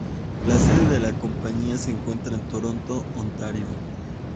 La sede de la Compañía se encuentra en Toronto, Ontario.